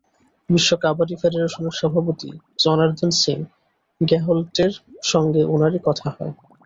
বিশ্ব কাবাডি ফেডারেশনের সভাপতি জনার্দন সিং গেহলটের সঙ্গে ওনারই কথা হয়।